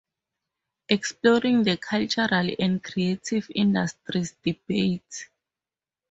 "Exploring The Cultural and Creative Industries Debate".